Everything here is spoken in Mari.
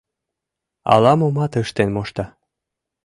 Ала-момат ыштен мошта...